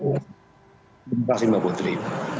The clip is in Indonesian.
terima kasih mbak putri